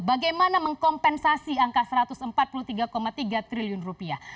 bagaimana mengkompensasi angka satu ratus empat puluh tiga tiga triliun rupiah